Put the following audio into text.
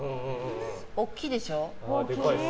大きいでしょ？